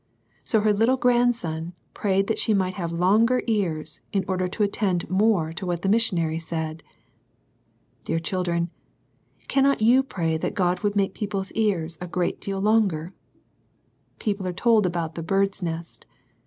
So her little grandson prayed that she might have longer ears in order to attend more to what the missionary said ! Dear children, cannot you pray that God would make people's ears a great deal longer? People are told about the "Bird's Nest."